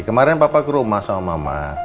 kemarin bapak ke rumah sama mama